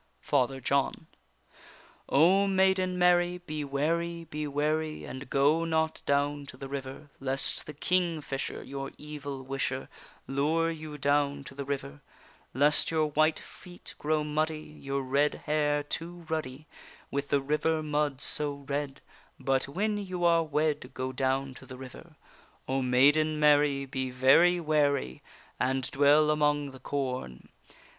FATHER JOHN. O maiden Mary, be wary, be wary! And go not down to the river, Lest the kingfisher, your evil wisher, Lure you down to the river, Lest your white feet grow muddy, Your red hair too ruddy With the river mud so red; But when you are wed Go down to the river. O maiden Mary, be very wary, And dwell among the corn!